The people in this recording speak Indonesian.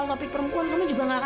lekas dulu setting ke memang i vera